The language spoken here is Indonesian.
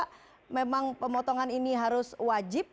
karena memang pemotongan ini harus wajib